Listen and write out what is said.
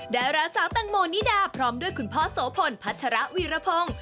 ดาราสาวแตงโมนิดาพร้อมด้วยคุณพ่อโสพลพัชระวีรพงศ์